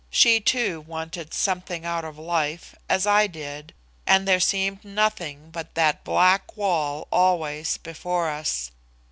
She, too, wanted something out of life, as I did, and there seemed nothing but that black wall always before us.